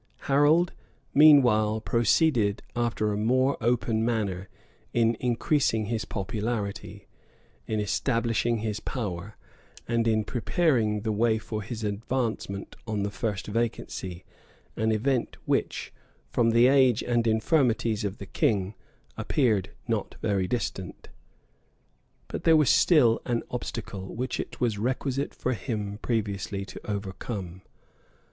Harold, meanwhile, proceeded after a more open manner, in increasing his popularity, in establishing his power, and in preparing the way for his advancement on the first vacancy; an event which, from the age and infirmities of the king, appeared not very distant. But there was still an obstacle, which it was requisite for him previously to overcome.